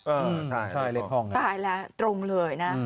เออใช่เลขห้องค่ะถ้าหายละตรงเลยนะ